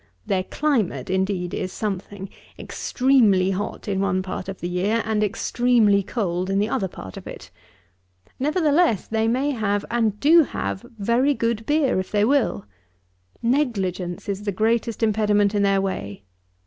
Their climate, indeed, is something: extremely hot in one part of the year, and extremely cold in the other part of it. Nevertheless, they may have, and do have, very good beer if they will. Negligence is the greatest impediment in their way.